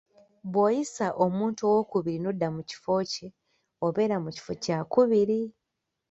Bw'oyisa omuntu owookubiri n'odda mu kifo kye, obeera mu kifo kyakubiri.